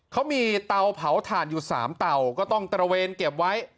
เขามีเตาเผาถ่านอยู่๓เตาก็ต้องตระเวนเก็บไว้